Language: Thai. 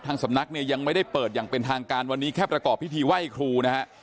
สำนักเนี่ยยังไม่ได้เปิดอย่างเป็นทางการวันนี้แค่ประกอบพิธีไหว้ครูนะฮะ